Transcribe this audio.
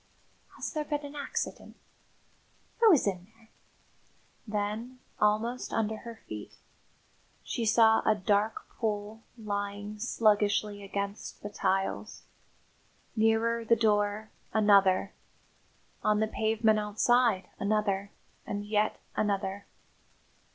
"Has there been an accident? Who is in there?" Then, almost under her feet, she saw a dark pool lying sluggishly against the tiles; nearer the door another on the pavement outside another and yet another.